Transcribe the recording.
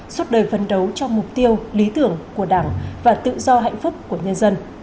suốt đời phấn đấu cho mục tiêu lý tưởng của đảng và tự do hạnh phúc của nhân dân